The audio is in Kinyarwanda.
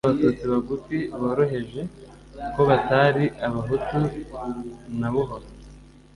bari abatutsi bagufi (boroheje), ko batari abahutu na buhoro.